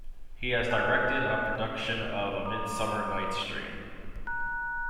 He has directed a production of "A Midsummer Night's Dream".